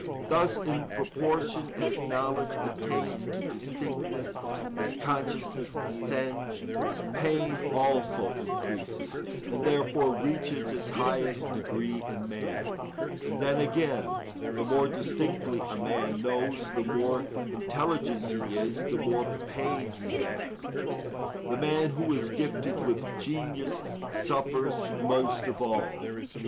Thus, in proportion as knowledge attains to distinctness, as consciousness ascends, pain also increases, and therefore reaches its highest degree in man. And then, again, the more distinctly a man knows, the more intelligent he is, the more pain he has; the man who is gifted with genius suffers most of all.